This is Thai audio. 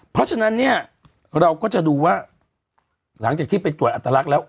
เพราะฉะนั้นเนี่ยเราก็จะดูว่าหลังจากที่ไปตรวจอัตลักษณ์แล้ว